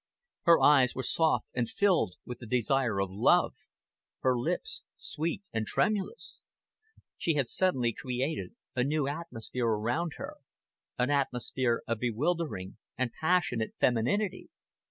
Her eyes were soft and filled with the desire of love, her lips sweet and tremulous. She had suddenly created a new atmosphere around her, an atmosphere of bewildering and passionate femininity.